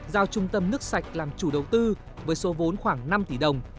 giao trung tâm nước sạch làm chủ đầu tư với số vốn khoảng năm tỷ đồng